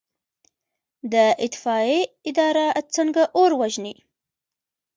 د اطفائیې اداره څنګه اور وژني؟